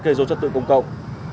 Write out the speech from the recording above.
gây rối trật tự công cộng